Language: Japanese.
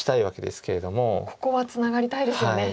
ここはツナがりたいですよね。